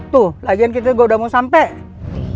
tuh lagian kita gue udah mau sampai